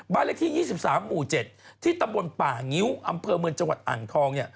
เลขที่๒๓หมู่๗ที่ตำบลป่างิ้วอำเภอเมืองจังหวัดอ่างทอง